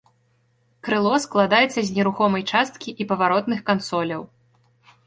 Крыло складаецца з нерухомай часткі і паваротных кансоляў.